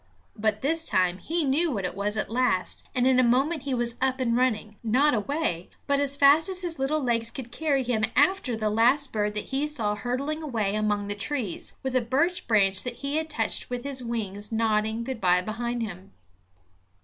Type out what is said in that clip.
But this time he knew what it was at last, and in a moment he was up and running, not away, but fast as his little legs could carry him after the last bird that he saw hurtling away among the trees, with a birch branch that he had touched with his wings nodding good by behind him.